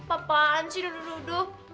apaan sih duduk duduk